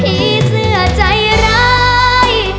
ผีเสื้อใจร้าย